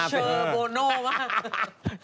เชอร์โบโน่มาก